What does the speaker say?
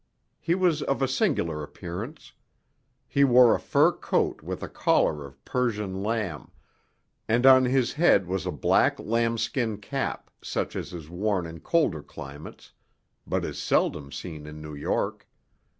He was of a singular appearance. He wore a fur coat with a collar of Persian lamb, and on his head was a black lambskin cap such as is worn in colder climates, but it seldom seen in New York.